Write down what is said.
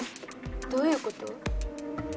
どういうこと？